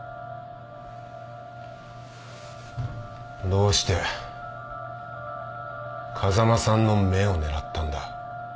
どうして風間さんの目を狙ったんだ？